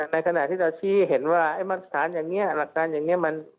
ในขณะที่เราที่เห็นว่าสารอย่างนี้หรือหลักฐานอย่างนี้